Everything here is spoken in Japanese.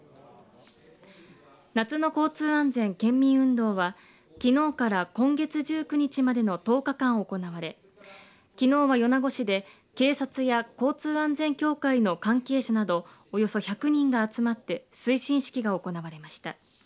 夏の交通安全県民運動はきのうから今月１９日までの１０日間行われきのうは米子市で警察や交通安全協会の関係者などおよそ１００人が集まって推進式が行われました。